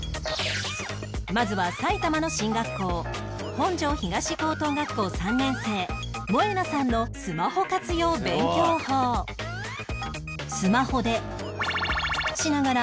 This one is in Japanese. まずは埼玉の進学校本庄東高等学校３年生萌那さんのスマホ活用勉強法「○○しながら？」